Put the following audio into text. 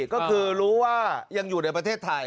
ก็คือรู้ว่ายังอยู่ในประเทศไทย